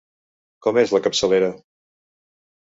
Com és la capçalera?